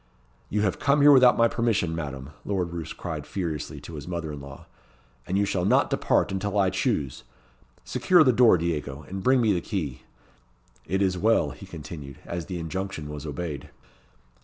"You have come here without my permission, Madam," Lord Roos cried furiously to his mother in law, "and you shall not depart until I choose. Secure the door, Diego, and bring me the key. It is well," he continued, as the injunction was obeyed.